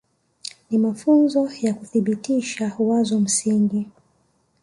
Ni mafunzo kwa kuthibitisha wazo msingi